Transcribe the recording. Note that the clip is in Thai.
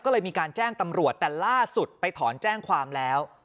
ก็เลยมีการแจ้งตำรวจแต่ล่าสุดไปถอนแจ้งความแล้ว